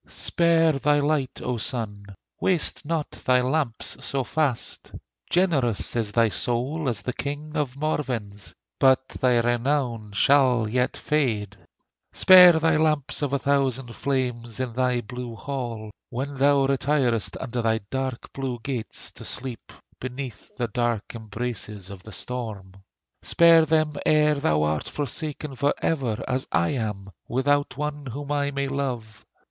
Spare thy light, O Sun! Waste not thy lamps so fast. Generous is thy soul as the King of Morven's: But thy renown shall yet fade; Spare thy lamps of a thousand flames In thy blue hall, when thou retirest Under thy dark blue gates to sleep, Beneath the dark embraces of the storm. Spare them, ere thou art forsaken for ever, As I am, without one whom I may love!